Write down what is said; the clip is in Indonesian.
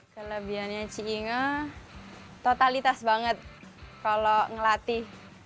kelebihannya ci inge totalitas banget kalau ngelatih